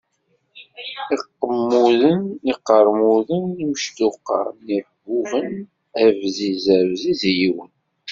Iqemmuden, iqeṛmuden, imectuqa n yiḥbuben, abziz, abziz i yiwen.